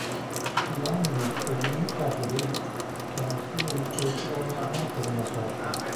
Yalnız müşterilerine karşı değil, kendisiyle alışverişi olmayan her kadına karşı.